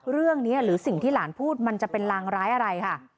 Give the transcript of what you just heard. หรือสิ่งที่หลานพูดมันจะเป็นรางร้ายอะไรค่ะ